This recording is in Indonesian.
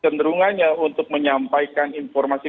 penerungannya untuk menyampaikan informasi